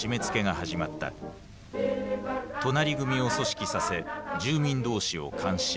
隣組を組織させ住民同士を監視。